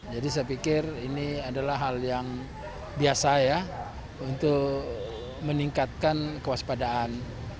jadi saya pikir ini adalah hal yang biasa ya untuk meningkatkan kewaspadaan